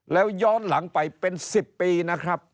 แล้วย้อนหลังไปเป็น๑๐ปีนะครับ